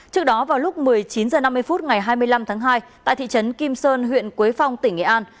trước đó vào lúc một mươi chín h năm mươi phút ngày hai mươi năm tháng hai tại thị trấn kim sơn huyện quế phong tỉnh nghệ an